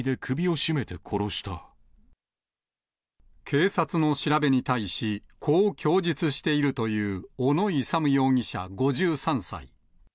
警察の調べに対し、こう供述しているという小野勇容疑者５３歳。